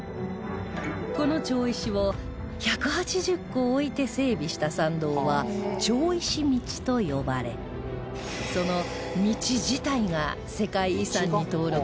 この町石を１８０個置いて整備した参道は町石道と呼ばれその道自体が世界遺産に登録されています